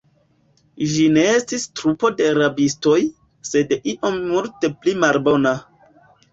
Ĝi ne estis trupo de rabistoj, sed io multe pli malbona.